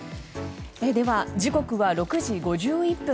では、時刻は６時５１分。